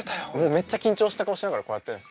めっちゃ緊張した顔しながらこうやってるんです。